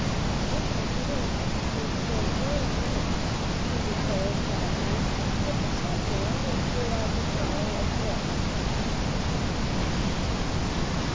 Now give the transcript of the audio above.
"I shall do it all this very one minute," she declared softly, as she sat down and drew out the snarl of thread.